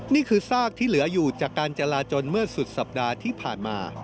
นี่คือซากที่เหลืออยู่จากการจราจนเมื่อสุดสัปดาห์ที่ผ่านมา